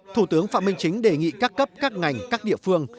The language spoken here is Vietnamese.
thủ tướng phạm minh chính đề nghị các cấp các ngành các địa phương